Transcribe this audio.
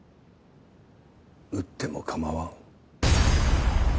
撃っても構わん。